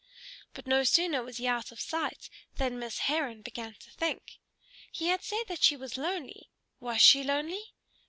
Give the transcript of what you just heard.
But no sooner was he out of sight than Miss Heron began to think. He had said that she was lonely; was she lonely?